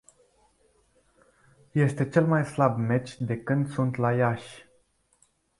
Este cel mai slab meci de când sunt la Iași.